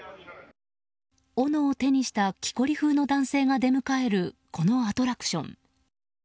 おのを手にした木こり風の男性が出迎えるこのアトラクション。